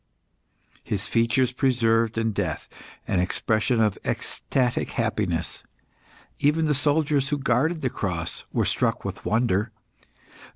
His features preserved in death an expression of ecstatic happiness. Even the soldiers who guarded the cross were struck with wonder.